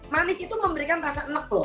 manis itu memberikan rasa nek loh